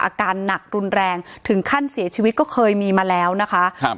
อาการหนักรุนแรงถึงขั้นเสียชีวิตก็เคยมีมาแล้วนะคะครับ